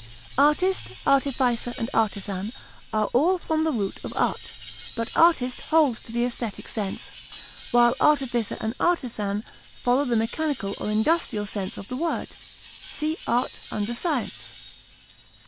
Artist, artificer and artisan are all from the root of art, but artist holds to the esthetic sense, while artificer and artisan follow the mechanical or industrial sense of the word (see ART under SCIENCE).